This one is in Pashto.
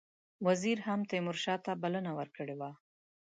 وزیر هم تیمورشاه ته بلنه ورکړې وه.